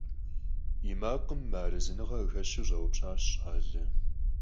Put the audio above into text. И макъым мыарэзыныгъэ къыхэщу щӀэупщӀащ щӀалэр.